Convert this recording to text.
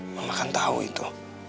mama kan tau itu